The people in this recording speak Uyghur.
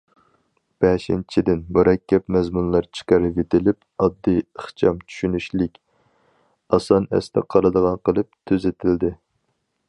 بەشىنچىدىن، مۇرەككەپ مەزمۇنلار چىقىرىۋېتىلىپ، ئاددىي، ئىخچام، چۈشىنىشلىك، ئاسان ئەستە قالىدىغان قىلىپ تۈزىتىلدى.